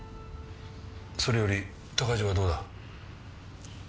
それより鷹城はどうだ？